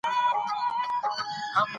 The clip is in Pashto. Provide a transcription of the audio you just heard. آسمان شین رنګ لري.